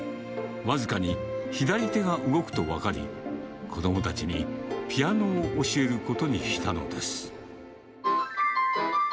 僅かに左手が動くと分かり、子どもたちにピアノを教えることにしたのです。